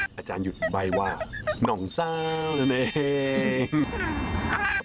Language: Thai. เพะไหม